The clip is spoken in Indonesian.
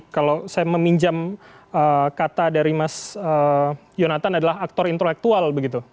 kalau saya meminjam kata dari mas yonatan adalah aktor intelektual begitu